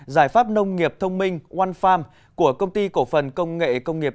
giải pháp nông nghiệp thông minh one farm của công ty cổ phần công nghệ công nghiệp